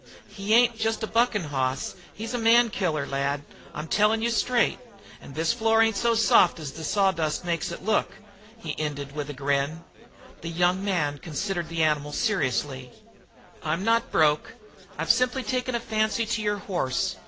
He ain't just a buckin' hoss; he's a man killer, lad. I'm tellin' you straight. And this floor ain't so soft as the sawdust makes it look," he ended with a grin. The younger man considered the animal seriously. "I'm not broke; I've simply taken a fancy to your horse.